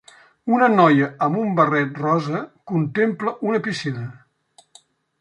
Una noia amb un barret rosa contempla una piscina.